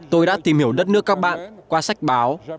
tôi đã tìm hiểu đất nước các bạn qua sách báo